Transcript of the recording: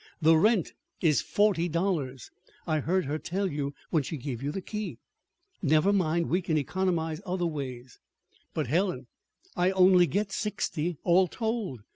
The rent is forty dollars. I heard her tell you when she gave you the key." "Never mind. We can economize other ways." "But, Helen, I only get sixty all told.